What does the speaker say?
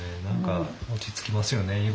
何か落ち着きますよね。